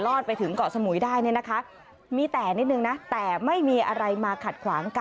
รอดไปถึงเกาะสมุยได้เนี่ยนะคะ